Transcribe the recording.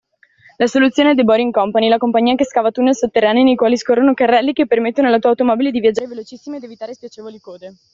La soluzione è The Boring Company, la compagnia che scava tunnel sotterranei nei quali scorrono dei carrelli che permettono alla tua automobile di viaggiare velocissima ed evitare spiacevoli code.